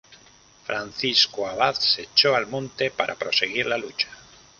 Francisco Abad se echó al monte para proseguir la lucha.